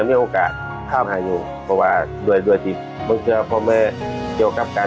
ซึ่งก็ไหลเวลาที่นักศึกษา